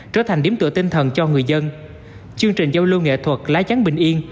trở thành điểm tựa tinh thần cho người dân chương trình giao lưu nghệ thuật lá trắng bình yên